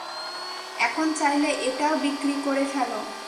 এখন, চাইলে এটাও বিক্রি করে ফেলো!